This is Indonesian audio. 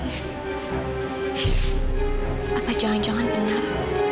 tapi jangan jangan benar